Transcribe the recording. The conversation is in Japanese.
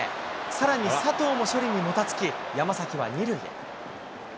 さらに、佐藤も処理にもたつき、山崎は２塁へ。